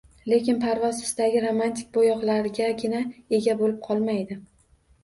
Lekin parvoz istagi romantik bo’yoqlargagina ega bo’lib qolmaydi.